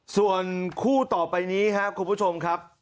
ส่วนคู่ต่อไปนี้ครับคุณผู้ชมครับ